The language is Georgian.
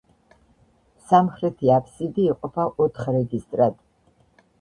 სამხრეთი აფსიდი იყოფა ოთხ რეგისტრად.